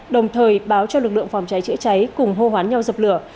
đồng thời báo cho lực lượng phòng cháy chữa cháy cùng hô hoán nhau dập lửa